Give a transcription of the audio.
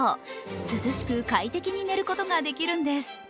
涼しく快適に寝ることができるんです。